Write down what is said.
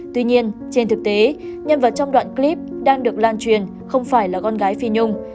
tuy nhiên trên thực tế nhân vật trong đoạn clip đang được lan truyền không phải là con gái phi nhung